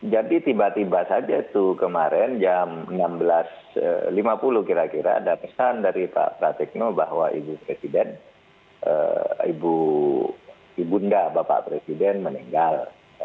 jadi tiba tiba saja tuh kemarin jam enam belas lima puluh kira kira ada pesan dari pak pratikno bahwa ibu presiden ibu nda bapak presiden meninggal